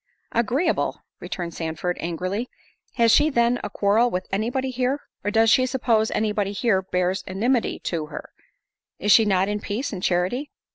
"Agreeable!" returned Sandford, angrily—"Has she then a quarrel with any body here? or does she suppose any body here bears enmity to her? Is she not in peace and charity?"